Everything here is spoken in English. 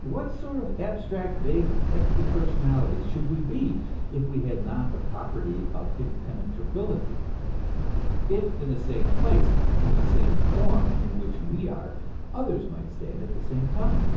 What sort of abstract, vague, empty personalities should we be, if we had not the property of impenetrability, if in the same place, in the same form in which we are, others might stand at the same time